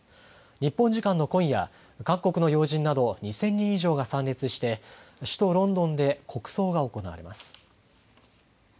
日本時間の今夜、各国の要人など２０００人以上が参列して首都ロンドンで国葬が行われます。